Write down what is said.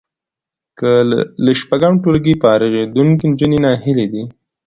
له شپږم ټولګي فارغېدونکې نجونې ناهیلې دي